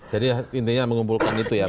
jadi intinya mengumpulkan itu ya